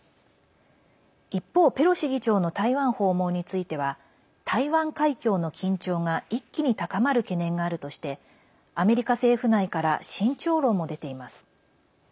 一方、ペロシ議長の台湾訪問については台湾海峡の緊張が一気に高まる懸念があるとしてアメリカ政府内から慎重論も出ています。